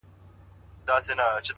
موسیقي د زړه احساسات څرګندوي